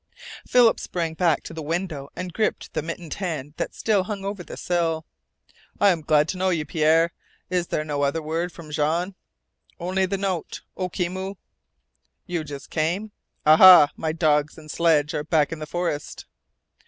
Philip sprang back to the window and gripped the mittened hand that still hung over the sill. "I'm glad to know you, Pierre! Is there no other word from Jean?" "Only the note, Ookimow." "You just came?" "Aha. My dogs and sledge are back in the forest."